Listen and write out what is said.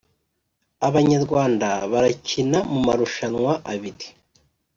abanyarwanda barakina mu marushanwa abiri